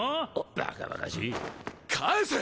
バカバカしい返せ！